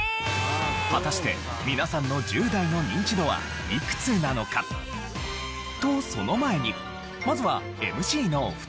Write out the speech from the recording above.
果たして皆さんの１０代のニンチドはいくつなのか？とその前にまずはＭＣのお二人から。